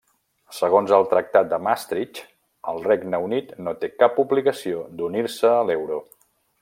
Segons el Tractat de Maastricht, el Regne Unit no té cap obligació d'unir-se a l'euro.